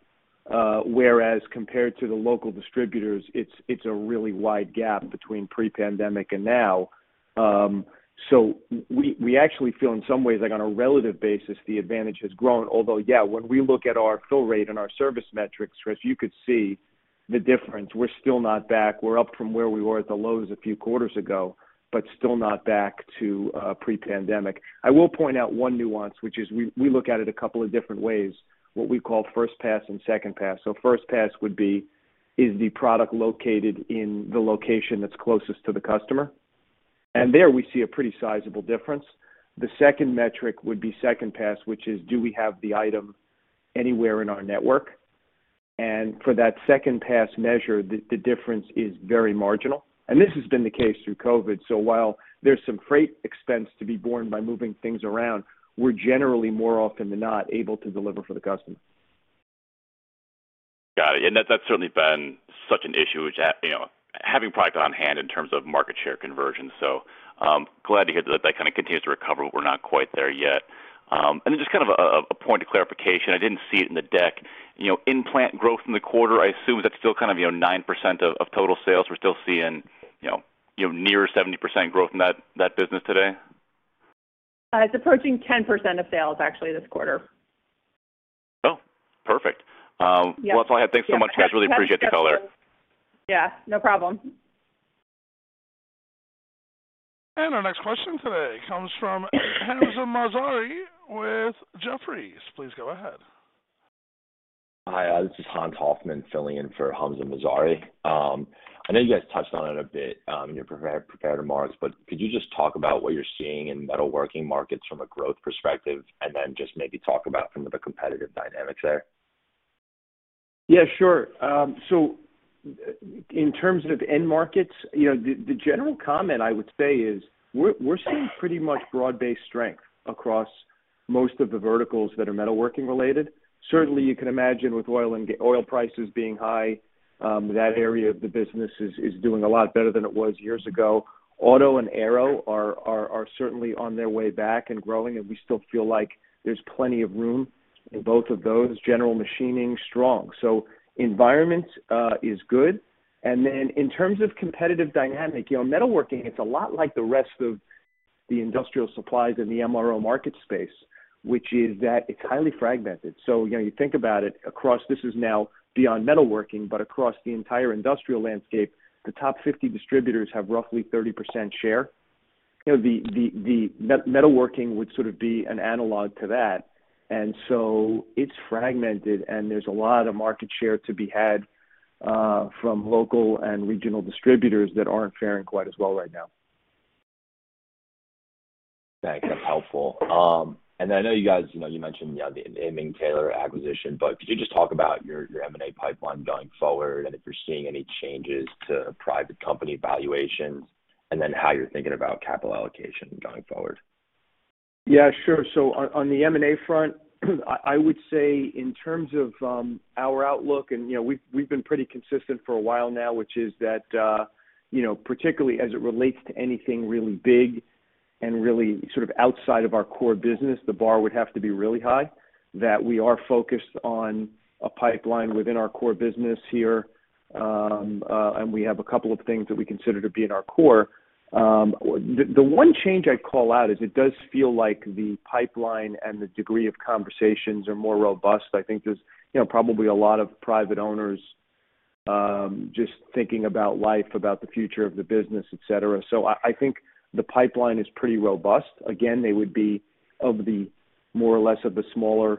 Speaker 3: Whereas compared to the local distributors, it's a really wide gap between pre-pandemic and now. We actually feel in some ways, like on a relative basis, the advantage has grown. Although, when we look at our fill rate and our service metrics, Chris, you could see the difference. We're still not back. We're up from where we were at the lows a few quarters ago, but still not back to pre-pandemic. I will point out one nuance, which is we look at it a couple of different ways, what we call first pass and second pass. First pass would be, is the product located in the location that's closest to the customer? There we see a pretty sizable difference. The second metric would be second pass, which is, do we have the item anywhere in our network? For that second pass measure, the difference is very marginal. This has been the case through COVID. While there's some freight expense to be borne by moving things around, we're generally more often than not able to deliver for the customer.
Speaker 8: Got it. That's certainly been such an issue, you know, having product on-hand in terms of market share conversion. Glad to hear that kinda continues to recover. We're not quite there yet. Just kind of a point of clarification, I didn't see it in the deck. You know, in-plant growth in the quarter, I assume that's still kind of, you know, 9% of total sales. We're still seeing, you know, near 70% growth in that business today?
Speaker 4: It's approaching 10% of sales actually this quarter.
Speaker 8: Oh, perfect.
Speaker 4: Yeah.
Speaker 8: Well, that's all I had. Thanks so much, guys. Really appreciate your color.
Speaker 4: Yeah, no problem.
Speaker 1: Our next question today comes from Hamzah Mazari with Jefferies. Please go ahead.
Speaker 9: Hi, this is Hans Hoffman filling in for Hamzah Mazari. I know you guys touched on it a bit, in your prepared remarks, but could you just talk about what you're seeing in metalworking markets from a growth perspective, and then just maybe talk about some of the competitive dynamics there?
Speaker 3: Yeah, sure. In terms of end markets, you know, the general comment I would say is we're seeing pretty much broad-based strength across most of the verticals that are metalworking related. Certainly, you can imagine with oil prices being high, that area of the business is doing a lot better than it was years ago. Auto and aero are certainly on their way back and growing, and we still feel like there's plenty of room in both of those. General machining, strong. Environment is good. In terms of competitive dynamic, you know, metalworking, it's a lot like the rest of the industrial supplies in the MRO market space, which is that it's highly fragmented. You know, you think about it across. This is now beyond metalworking, but across the entire industrial landscape, the top 50 distributors have roughly 30% share. You know, the metalworking would sort of be an analog to that. It's fragmented, and there's a lot of market share to be had from local and regional distributors that aren't faring quite as well right now.
Speaker 9: Okay. Helpful. I know you guys, you know, you mentioned, you know, the Engman-Taylor acquisition, but could you just talk about your M&A pipeline going forward and if you're seeing any changes to private company valuations, and then how you're thinking about capital allocation going forward?
Speaker 3: Yeah, sure. On the M&A front, I would say in terms of our outlook, you know, we've been pretty consistent for a while now, which is that, you know, particularly as it relates to anything really big and really sort of outside of our core business, the bar would have to be really high, that we are focused on a pipeline within our core business here. We have a couple of things that we consider to be in our core. The one change I'd call out is it does feel like the pipeline and the degree of conversations are more robust. I think there's, you know, probably a lot of private owners just thinking about life, about the future of the business, et cetera. I think the pipeline is pretty robust. Again, they would be of the more or less of the smaller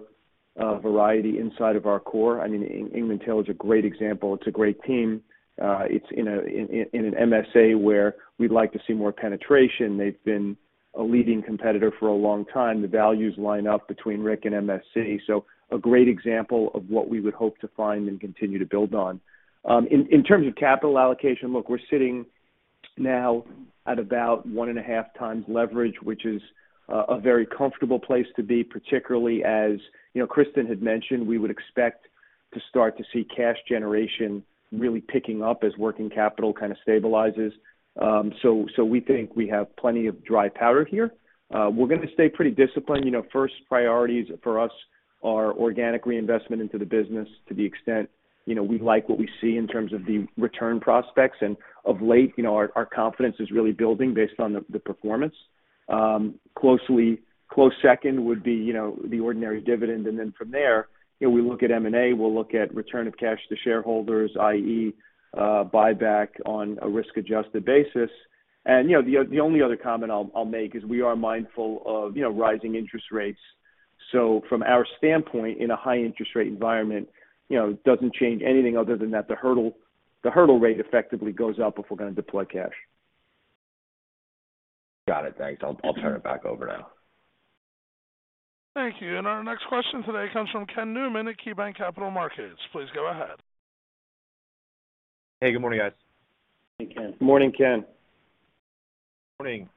Speaker 3: variety inside of our core. I mean, Engman-Taylor is a great example. It's a great team. It's in an MSA where we'd like to see more penetration. They've been a leading competitor for a long time. The values line up between Rick and MSC, so a great example of what we would hope to find and continue to build on. In terms of capital allocation, look, we're sitting now at about 1.5x leverage, which is a very comfortable place to be, particularly as, you know, Kristen had mentioned, we would expect to start to see cash generation really picking up as working capital kind of stabilizes. So we think we have plenty of dry powder here. We're gonna stay pretty disciplined. You know, first priorities for us are organic reinvestment into the business to the extent, you know, we like what we see in terms of the return prospects. Of late, you know, our confidence is really building based on the performance. Close second would be, you know, the ordinary dividend. Then from there, you know, we look at M&A, we'll look at return of cash to shareholders, i.e., buyback on a risk-adjusted basis. You know, the only other comment I'll make is we are mindful of, you know, rising interest rates. From our standpoint, in a high interest rate environment, you know, it doesn't change anything other than that the hurdle rate effectively goes up if we're gonna deploy cash.
Speaker 9: Got it. Thanks. I'll turn it back over now.
Speaker 1: Thank you. Our next question today comes from Ken Newman at KeyBanc Capital Markets. Please go ahead.
Speaker 10: Hey, good morning, guys.
Speaker 3: Hey, Ken.
Speaker 2: Morning, Ken.
Speaker 10: Morning.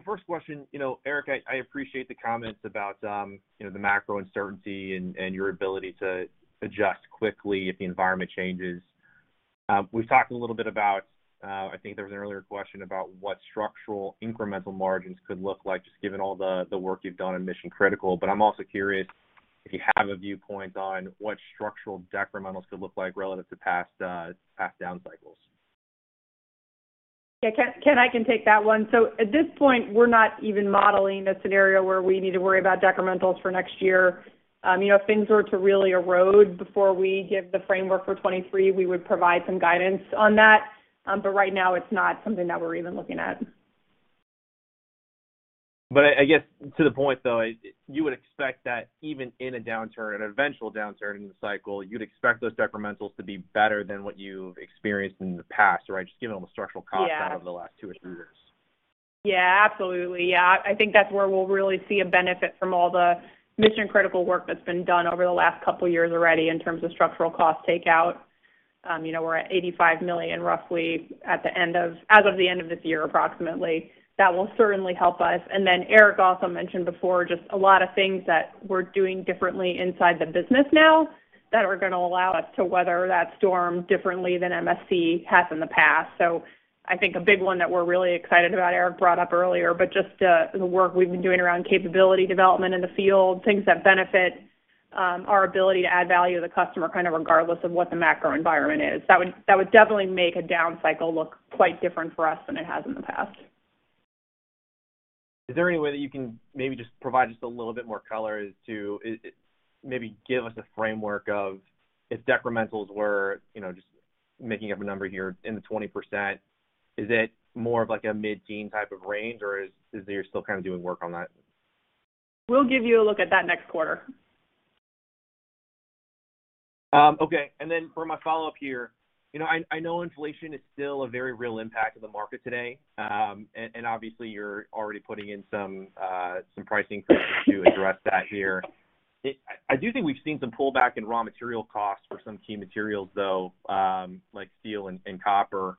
Speaker 10: First question. You know, Erik, I appreciate the comments about, you know, the macro uncertainty and your ability to adjust quickly if the environment changes. We've talked a little bit about, I think there was an earlier question about what structural incremental margins could look like, just given all the work you've done in Mission Critical, but I'm also curious if you have a viewpoint on what structural decrementals could look like relative to past down cycles.
Speaker 4: Yeah. Ken, I can take that one. At this point, we're not even modeling a scenario where we need to worry about decrementals for next year. You know, if things were to really erode before we give the framework for 2023, we would provide some guidance on that. Right now, it's not something that we're even looking at.
Speaker 10: I guess to the point, though, you would expect that even in a downturn, an eventual downturn in the cycle, you'd expect those decrementals to be better than what you've experienced in the past, right?
Speaker 4: Yeah.
Speaker 10: Just given all the structural costs Out of the last two or three years.
Speaker 4: Yeah, absolutely. Yeah. I think that's where we'll really see a benefit from all the Mission Critical work that's been done over the last couple years already in terms of structural cost takeout. You know, we're at $85 million roughly as of the end of this year, approximately. That will certainly help us. Erik also mentioned before just a lot of things that we're doing differently inside the business now that are gonna allow us to weather that storm differently than MSC has in the past. I think a big one that we're really excited about, Erik brought up earlier, but just the work we've been doing around capability development in the field, things that benefit our ability to add value to the customer, kind of, regardless of what the macro environment is. That would definitely make a down cycle look quite different for us than it has in the past.
Speaker 10: Is there any way that you can maybe just provide just a little bit more color as to is it maybe give us a framework of if decrementals were, you know, just making up a number here, in the 20%, is it more of like a mid-teen type of range, or is it you're still kind of doing work on that?
Speaker 4: We'll give you a look at that next quarter.
Speaker 10: Okay. For my follow-up here. You know, I know inflation is still a very real impact of the market today. Obviously, you're already putting in some pricing to address that here. I do think we've seen some pullback in raw material costs for some key materials, though, like steel and copper.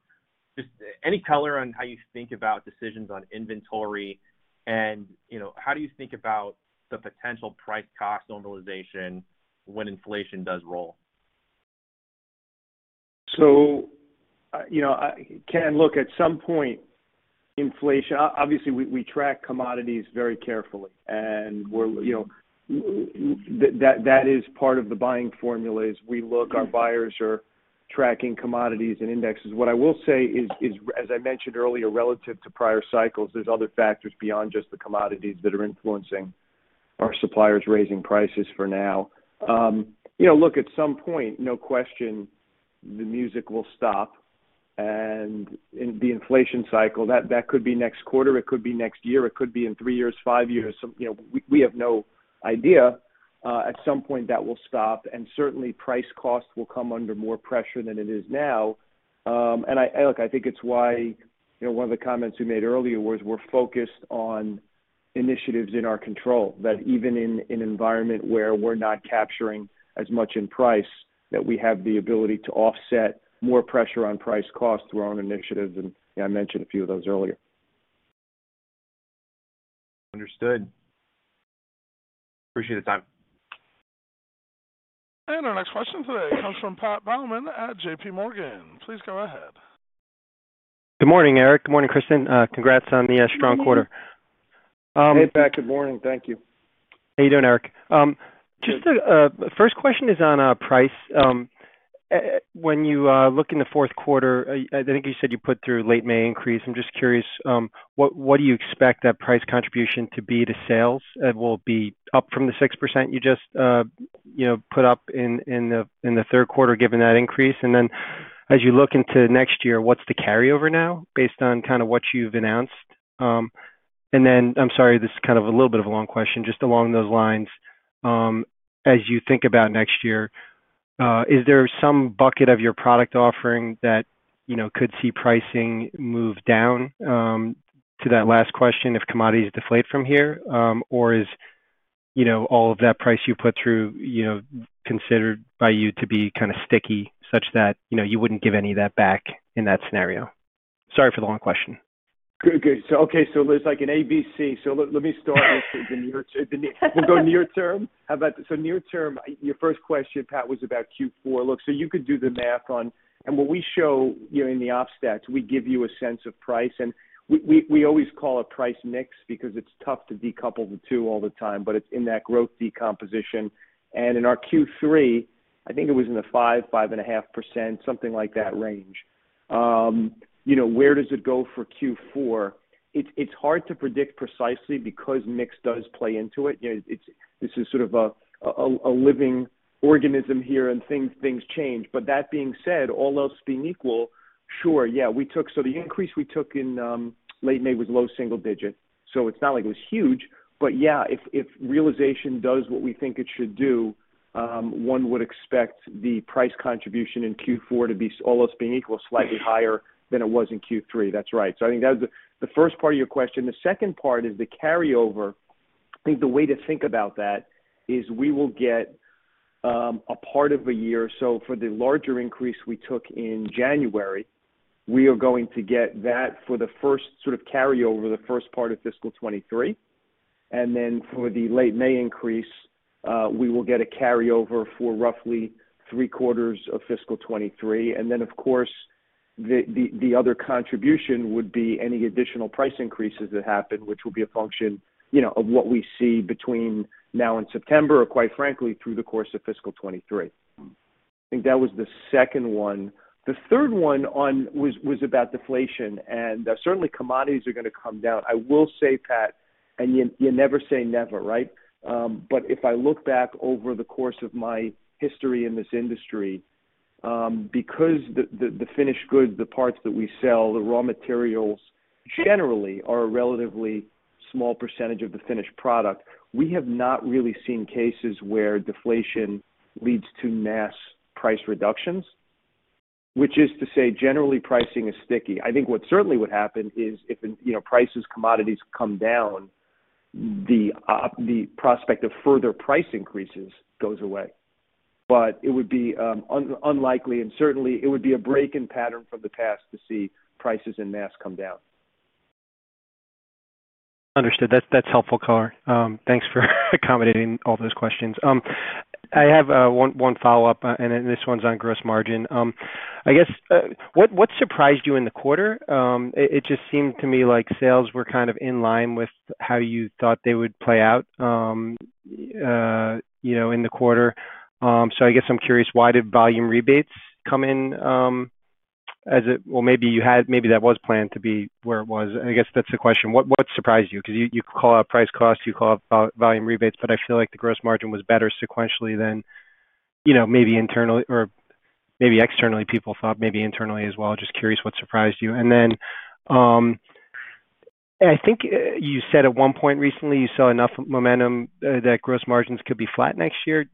Speaker 10: Just any color on how you think about decisions on inventory and, you know, how do you think about the potential price cost normalization when inflation does roll?
Speaker 3: You know, Ken, look, at some point, inflation. Obviously, we track commodities very carefully, and we're, you know, that is part of the buying formula is we look, our buyers are tracking commodities and indexes. What I will say is as I mentioned earlier, relative to prior cycles, there's other factors beyond just the commodities that are influencing our suppliers raising prices for now. You know, look, at some point, no question, the music will stop and in the inflation cycle, that could be next quarter, it could be next year, it could be in three years, five years. You know, we have no idea. At some point, that will stop, and certainly price cost will come under more pressure than it is now. Look, I think it's why, you know, one of the comments we made earlier was we're focused on initiatives in our control, that even in an environment where we're not capturing as much in price, that we have the ability to offset more pressure on price cost through our own initiatives, and, you know, I mentioned a few of those earlier.
Speaker 10: Understood. Appreciate the time.
Speaker 1: Our next question today comes from Pat Baumann at JPMorgan. Please go ahead.
Speaker 11: Good morning, Erik. Good morning, Kristen. Congrats on the strong quarter.
Speaker 3: Hey, Pat. Good morning. Thank you.
Speaker 11: How you doing, Erik? First question is on price. When you look in the fourth quarter, I think you said you put through late May increase. I'm just curious, what do you expect that price contribution to be to sales? It will be up from the 6% you just, you know, put up in the third quarter given that increase. Then as you look into next year, what's the carryover now based on kind of what you've announced? I'm sorry, this is kind of a little bit of a long question, just along those lines, as you think about next year, is there some bucket of your product offering that, you know, could see pricing move down, to that last question, if commodities deflate from here? Is, you know, all of that price you put through, you know, considered by you to be kinda sticky such that, you know, you wouldn't give any of that back in that scenario? Sorry for the long question.
Speaker 3: Good. Okay. There's like an ABC. Let me start with the near term. We'll go near term. Near term, your first question, Pat, was about Q4 look. You could do the math on what we show, you know, in the ops stats. We give you a sense of price. We always call it price mix because it's tough to decouple the two all the time, but it's in that growth decomposition. In our Q3, I think it was in the 5%-5.5%, something like that range. You know, where does it go for Q4? It's hard to predict precisely because mix does play into it. You know, this is sort of a living organism here and things change. That being said, all else being equal, sure, yeah, we took. So the increase we took in late May was low single digit, so it's not like it was huge. Yeah, if realization does what we think it should do, one would expect the price contribution in Q4 to be, all else being equal, slightly higher than it was in Q3. That's right. I think that was the first part of your question. The second part is the carryover. I think the way to think about that is we will get a part of a year. For the larger increase we took in January, we are going to get that for the first sort of carryover, the first part of fiscal year 2023. Then for the late May increase, we will get a carryover for roughly three-quarters of fiscal year 2023. Of course the other contribution would be any additional price increases that happen, which will be a function, you know, of what we see between now and September or quite frankly, through the course of fiscal year 2023. I think that was the second one. The third one was about deflation. Certainly commodities are gonna come down. I will say, Pat, and you never say never, right? But if I look back over the course of my history in this industry, because the finished goods, the parts that we sell, the raw materials generally are a relatively small percentage of the finished product, we have not really seen cases where deflation leads to mass price reductions, which is to say generally pricing is sticky. I think what certainly would happen is if, you know, prices, commodities come down, the prospect of further price increases goes away. It would be unlikely and certainly it would be a break in pattern from the past to see prices en masse come down.
Speaker 11: Understood. That's helpful color. Thanks for accommodating all those questions. I have one follow-up and then this one's on gross margin. I guess what surprised you in the quarter. It just seemed to me like sales were kind of in line with how you thought they would play out, you know, in the quarter. I guess I'm curious why did volume rebates come in. Well, maybe that was planned to be where it was. I guess that's the question. What surprised you. 'Cause you call out price costs, you call out volume rebates, but I feel like the gross margin was better sequentially than, you know, maybe internally or maybe externally people thought, maybe internally as well. Just curious what surprised you. I think you said at one point recently you saw enough momentum that gross margins could be flat next year.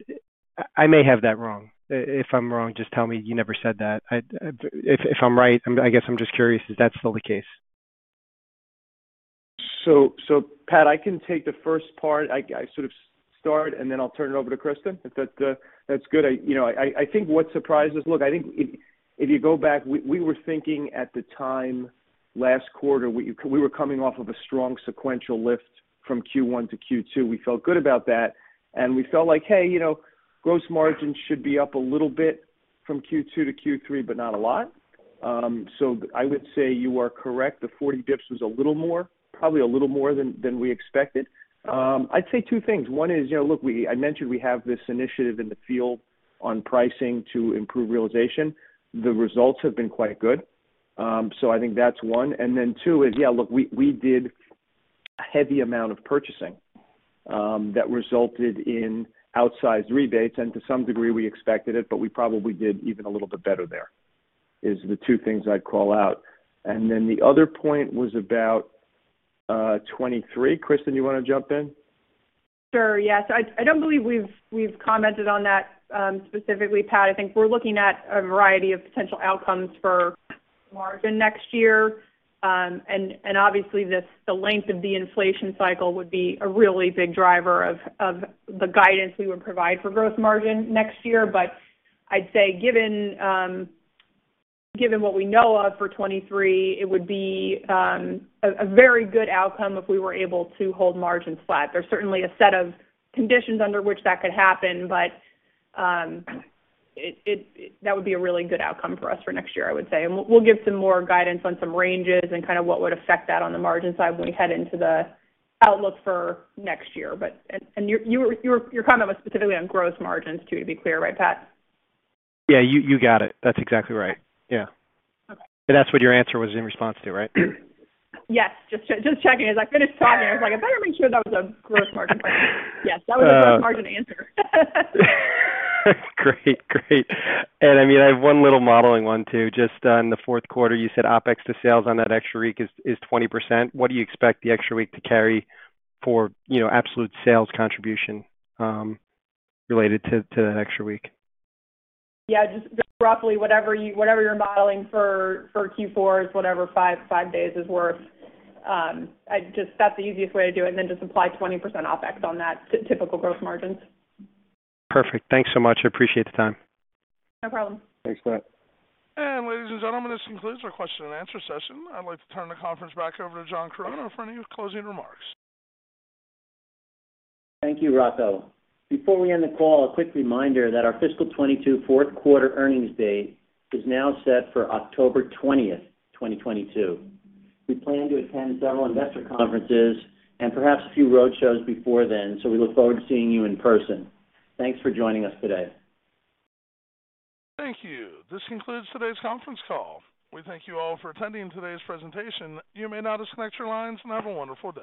Speaker 11: I may have that wrong. If I'm wrong, just tell me you never said that. If I'm right, I guess I'm just curious if that's still the case.
Speaker 3: Pat, I can take the first part. I sort of start and then I'll turn it over to Kristen, if that's good. You know, I think what surprised us. Look, I think if you go back, we were thinking at the time last quarter, we were coming off of a strong sequential lift from Q1 to Q2. We felt good about that and we felt like, hey, you know, gross margins should be up a little bit from Q2 to Q3, but not a lot. I would say you are correct. The 40 basis points was a little more, probably a little more than we expected. I'd say two things. One is, you know, look, I mentioned we have this initiative in the field on pricing to improve realization. The results have been quite good. I think that's one. Then two is, yeah, look, we did a heavy amount of purchasing that resulted in outsized rebates and to some degree we expected it, but we probably did even a little bit better there, is the two things I'd call out. The other point was about 2023. Kristen, you wanna jump in?
Speaker 4: Sure. Yes. I don't believe we've commented on that specifically, Pat. I think we're looking at a variety of potential outcomes for margin next year. Obviously the length of the inflation cycle would be a really big driver of the guidance we would provide for gross margin next year. I'd say given what we know of for 2023, it would be a very good outcome if we were able to hold margins flat. There's certainly a set of conditions under which that could happen, but that would be a really good outcome for us for next year, I would say. We'll give some more guidance on some ranges and kind of what would affect that on the margin side when we head into the outlook for next year. Your comment was specifically on gross margins too, to be clear, right, Pat?
Speaker 11: Yeah, you got it. That's exactly right. Yeah.
Speaker 4: Okay.
Speaker 11: That's what your answer was in response to, right?
Speaker 4: Yes. Just checking. As I finished talking, I was like, I better make sure that was a gross margin question. Yes, that was a gross margin answer.
Speaker 11: Great. I mean, I have one little modeling one too. Just on the fourth quarter, you said OpEx to sales on that extra week is 20%. What do you expect the extra week to carry for, you know, absolute sales contribution, related to that extra week?
Speaker 4: Yeah, just roughly whatever you're modeling for Q4 is whatever five days is worth. That's the easiest way to do it, and then just apply 20% OpEx on that typical growth margins.
Speaker 11: Perfect. Thanks so much. I appreciate the time.
Speaker 4: No problem.
Speaker 3: Thanks, Pat.
Speaker 1: Ladies and gentlemen, this concludes our Q&A session. I'd like to turn the conference back over to John Chironna for any closing remarks.
Speaker 2: Thank you, Rocco. Before we end the call, a quick reminder that our fiscal year 2022 fourth quarter earnings date is now set for October 20th, 2022. We plan to attend several investor conferences and perhaps a few roadshows before then, so we look forward to seeing you in person. Thanks for joining us today.
Speaker 1: Thank you. This concludes today's conference call. We thank you all for attending today's presentation. You may now disconnect your lines and have a wonderful day.